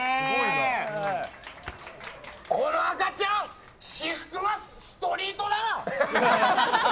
この赤ちゃん私服がストリートだな！